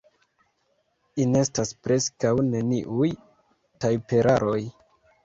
Enestas preskaŭ neniuj tajperaroj.